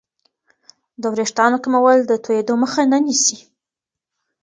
د وریښتانو کمول د توېدو مخه نه نیسي.